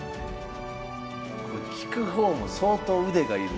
これ聞く方も相当腕が要る。